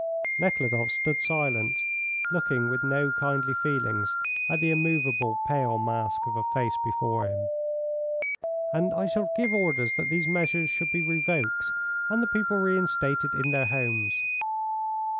Nekhludoff stood silent, looking with no kindly feelings at the immovable, pale mask of a face before him. "And I shall give orders that these measures should be revoked and the people reinstated in their homes."